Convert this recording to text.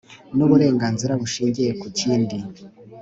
N uburenganzira bushingiye ku kindi